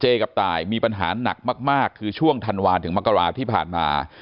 กับตายมีปัญหาหนักมากคือช่วงธันวาลถึงมกราที่ผ่านมา